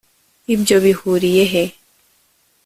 ibyo bihuriye he